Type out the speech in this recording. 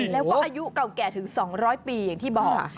แล้วก็อายุเก่าแก่ถึง๒๐๐ปีอย่างที่บอก